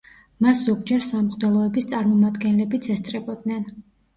მას ზოგჯერ სამღვდელოების წარმომადგენლებიც ესწრებოდნენ.